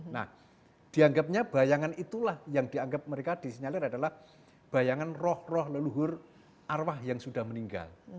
nah dianggapnya bayangan itulah yang dianggap mereka disinyalir adalah bayangan roh roh leluhur arwah yang sudah meninggal